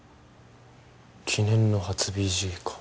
記念の初ＢＧか。